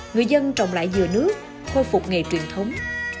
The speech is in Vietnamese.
người dân trồng lại dừa nước khôi phục nghề truyền thống